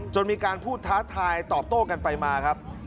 มีการพูดท้าทายตอบโต้กันไปมาครับ